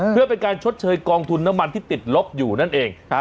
เพื่อเป็นการชดเชยกองทุนน้ำมันที่ติดลบอยู่นั่นเอง